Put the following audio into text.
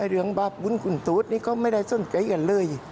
เรื่องบาปบุญคุณตูดนี่ก็ไม่ได้สนใจกันเลย